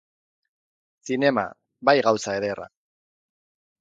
Zinema, bai gauza ederra!